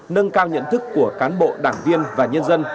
nâng cao nhận thức của cán bộ đảng viên và nhân dân